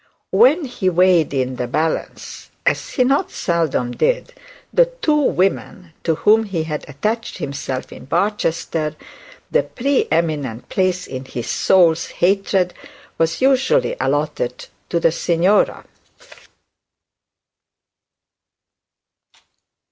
When he weighed in the balance, as he not seldom did, the two women to whom he had attached himself in Barchester, the pre eminent place in his soul's hatred was usually allotted to the signora.